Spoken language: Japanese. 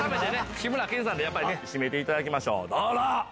志村けんさんで締めていただきましょうどうぞ。